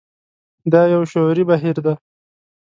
دا يو شعوري بهير دی.